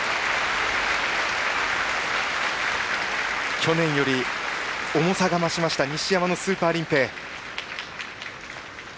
去年より重さが増しました西山のスーパーリンペイ。